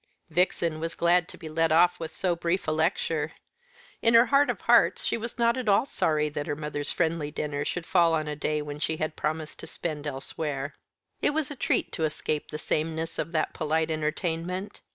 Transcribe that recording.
Vixen was glad to be let off with so brief a lecture. In her heart of hearts she was not at all sorry that her mother's friendly dinner should fall on a day which she had promised to spend elsewhere. It was a treat to escape the sameness of that polite entertainment.